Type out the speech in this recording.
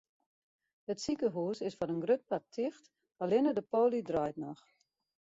It sikehûs is foar in grut part ticht, allinnich de poly draait noch.